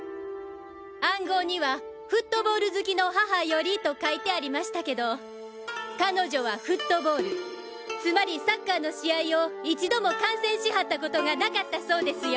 暗号には「フットボウル好きの母より」と書いてありましたけど彼女はフットボウルつまりサッカーの試合を一度も観戦しはったコトがなかったそうですよ。